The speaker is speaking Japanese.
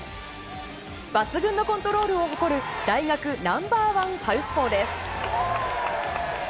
抜群のコントロールを誇る大学ナンバー１サウスポーです。